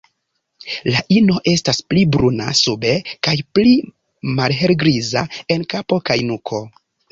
La ino estas pli bruna sube kaj pli malhelgriza en kapo kaj nuko.